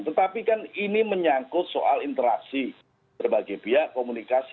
tetapi kan ini menyangkut soal interaksi berbagai pihak komunikasi